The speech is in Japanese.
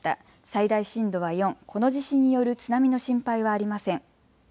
最大震度は４、この地震による津波の心配はありません。